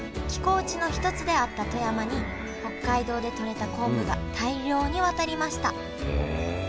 寄港地の一つであった富山に北海道でとれた昆布が大量に渡りました。